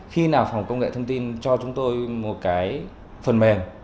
khi nào phòng công nghệ thông tin cho chúng tôi một cái phần mềm